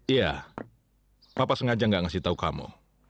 iya bapak sengaja gak ngasih tahu kamu